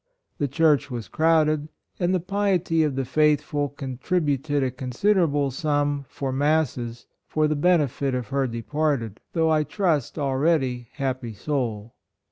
The church was crowded, and the piety of the faithful con tributed a considerable sum for masses for the benefit of her de parted, though I trust already happy soul.